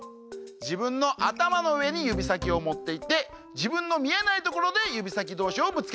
じぶんのあたまのうえにゆびさきをもっていってじぶんのみえないところでゆびさきどうしをぶつけてみよう。